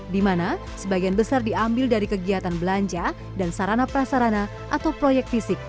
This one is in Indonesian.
di mana sebagian besar diambil dari kegiatan belanja dan sarana prasarana atau proyek fisik